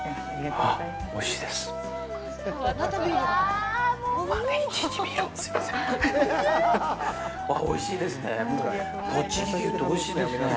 ああ、おいしいですねぇ。